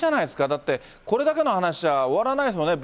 だって、これだけの話じゃ終わらないですもんね。